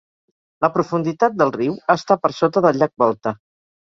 La profunditat del riu està per sota del llac Volta.